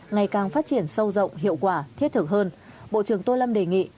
ngày càng phát triển sâu rộng hiệu quả thiết thực hơn bộ trưởng tô lâm đề nghị